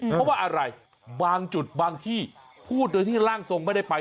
เพราะว่าอะไรบางจุดบางที่พูดโดยที่ร่างทรงไม่ได้ไป